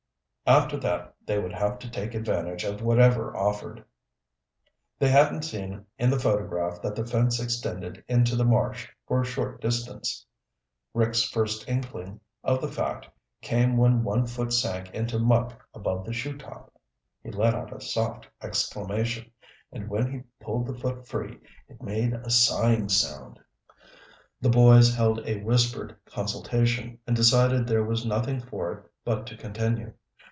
After that they would have to take advantage of whatever offered. They hadn't seen in the photograph that the fence extended into the marsh for a short distance. Rick's first inkling of the fact came when one foot sank into muck above the shoe top. He let out a soft exclamation, and when he pulled the foot free it made a sighing sound. The boys held a whispered consultation and decided there was nothing for it but to continue.